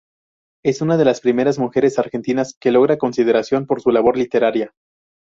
Es una de las primeras mujeres argentinas que logra consideración por su labor literaria.